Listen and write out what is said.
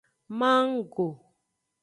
Manggo.